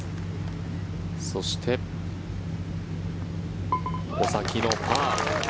そして、お先のパー。